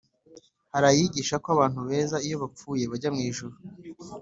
Hari ayigisha ko abantu beza iyo bapfuye bajya mu ijuru